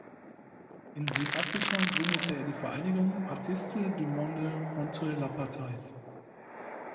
In Südafrika gründete er die Vereinigung "Artistes du monde contre l’Apartheid".